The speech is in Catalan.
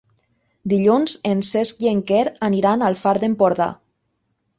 Dilluns en Cesc i en Quer aniran al Far d'Empordà.